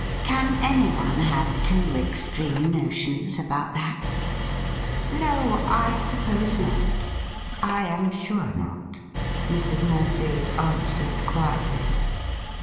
' Can anyone have too extreme notions about that .''' 'No, I suppose not — ^I am sure not,' Mrs. Morefield answered quietly.